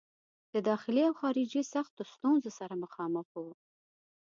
د داخلي او خارجي سختو ستونزو سره مخامخ وو.